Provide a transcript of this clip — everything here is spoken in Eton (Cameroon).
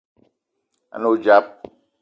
A ne odzap